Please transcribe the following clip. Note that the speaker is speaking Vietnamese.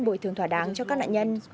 bồi thường thỏa đáng cho các nạn nhân